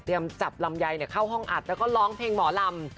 จับลำไยเข้าห้องอัดแล้วก็ร้องเพลงหมอลำ